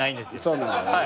そうなんだね。